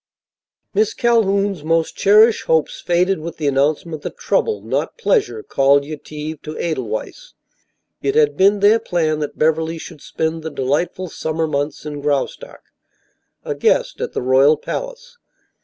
Miss Calhoun's most cherished hopes faded with the announcement that trouble, not pleasure, called Yetive to Edelweiss. It had been their plan that Beverly should spend the delightful summer months in Graustark, a guest at the royal palace.